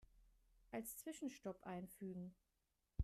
Als Zwischenstopp einfügen.